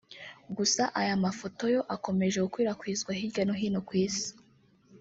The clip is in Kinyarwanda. gusa aya mafoto yo akomeje gukwirakwizwa hirya no hino ku Isi